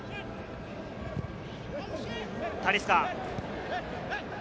タリスカ。